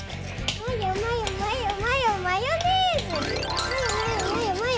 マヨマヨマヨマヨマヨネーズ！